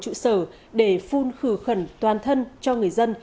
đây là một trụ sở để phun khử khẩn toàn thân cho người dân